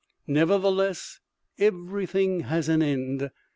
Nevertheless, everything has an end.